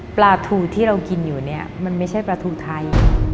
ปลาทูที่เรากินอยู่เนี่ยมันไม่ใช่ปลาทูไทย